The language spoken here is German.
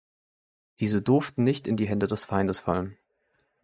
Diese durften nicht in die Hände des Feindes fallen.